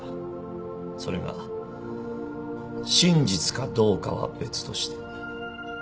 それが真実かどうかは別として。